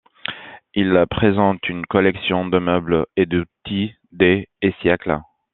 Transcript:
Il présente une collection de meubles et d'outils des et siècles.